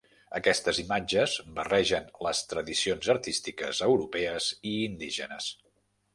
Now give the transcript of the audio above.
Aquestes imatges barregen les tradicions artístiques europees i indígenes.